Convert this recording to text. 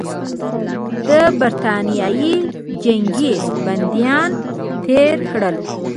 د برټانیې جنګي بندیان تېر کړل.